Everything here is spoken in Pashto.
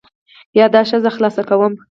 یا دا ښځه خلاصه کوم.